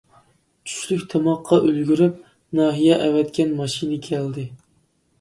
چۈشلۈك تاماققا ئۈلگۈرۈپ، ناھىيە ئەۋەتكەن ماشىنا كەلدى.